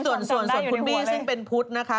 ส่วนคุณบี้ซึ่งเป็นพุทธนะคะ